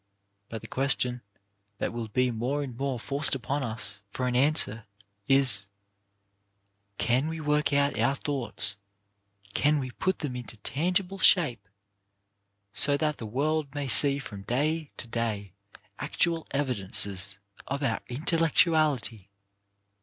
But the question that will be more and more forced upon us for an answer is: "Can we work out our thoughts, can we put them into tangible shape, so that the world may see from day to day actual evidences of our intellectuality?"